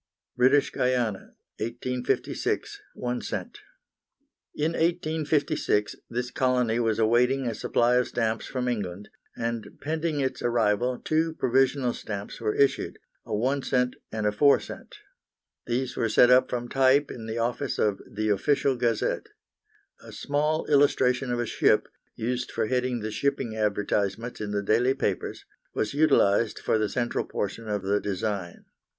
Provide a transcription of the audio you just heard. British Guiana, 1856, 1 c. In 1856 this colony was awaiting a supply of stamps from England, and pending its arrival two provisional stamps were issued, a 1 c. and a 4 c. These were set up from type in the office of the Official Gazette. A small illustration of a ship, used for heading the shipping advertisements in the daily papers, was utilised for the central portion of the design.